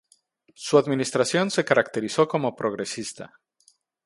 Su administración se caracterizó como progresista.